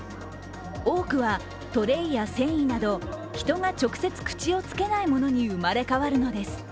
多くはトレイや繊維など、人が直接口をつけないものに生まれ変わるのです。